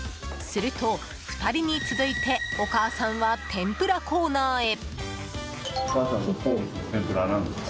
すると、２人に続いてお母さんは天ぷらコーナーへ。